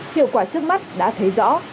hiệu quả trước mắt đã thấy rõ